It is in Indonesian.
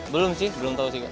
belum sih belum tahu sih kak